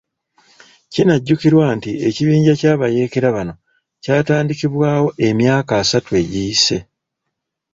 Kinajjukirwa nti ekibinja ky'abayeekera bano kyatandikibwawo emyaka asatu egiyise.